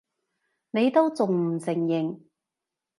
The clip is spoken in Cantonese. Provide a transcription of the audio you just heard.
你都仲唔承認！